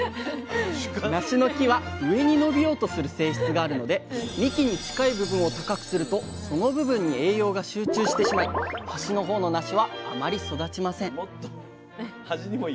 なしの木は上に伸びようとする性質があるので幹に近い部分を高くするとその部分に栄養が集中してしまい端の方のなしはあまり育ちません。